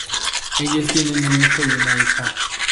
Ellos tienen un hijo y una hija.